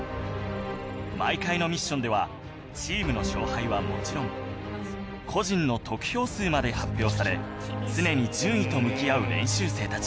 毎回のミッションではチームの勝敗はもちろん個人の得票数まで発表され常に順位と向き合う練習生たち